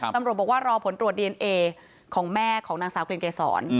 ตำรวจบอกว่ารอผลตรวจดีเอนเอของแม่ของนางสาวกลิ่นเกษร